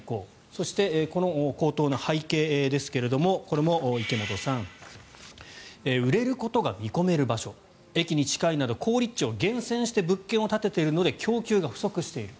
そして、この高騰の背景ですがこれも池本さん売れることが見込める場所駅に近いなど好立地を厳選して物件を建てているので供給が不足している。